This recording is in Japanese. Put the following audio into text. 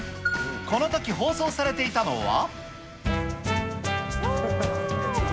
このとき、放送されていたのは。